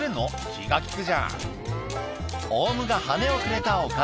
気が利くじゃん」